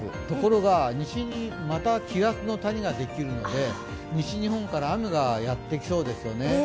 ところが、西にまた気圧の谷ができるので西日本から雨がやってきそうですよね。